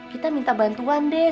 kita minta bantuan deh